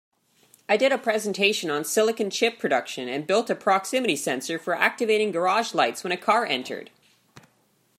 I did a presentation on silicon chip production and built a proximity sensor for activating garage lights when a car entered.